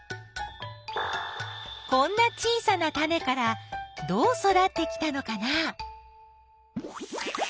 こんな小さなタネからどう育ってきたのかな？